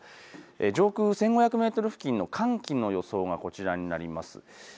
上空１５００メートル付近の寒気の予想がこちらになります。